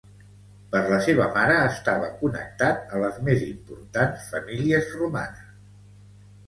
Per la seva mare estava connectat a les més importants famílies romanes.